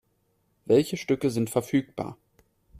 Welche Stücke sind verfügbar?